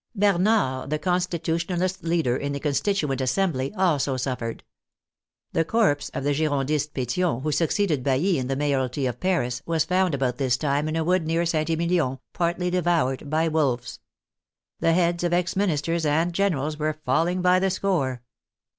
Barnard, the Constitutionalist leader in the Constituent Assembly, also suffered. The corpse of the Girondist, Petion, who succeeded Bailly in the mayoralty of Paris, was found about this time in a wood near St. Emilion, partly devoured by wolves. The 83 THE FRENCH REVOLUTION heads of ex ministers and generals were falling by the score.